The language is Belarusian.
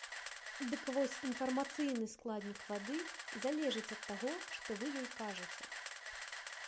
Дык вось інфармацыйны складнік вады залежыць ад таго, што вы ёй кажаце.